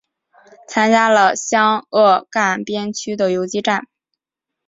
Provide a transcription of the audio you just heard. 参加了湘鄂赣边区的游击战。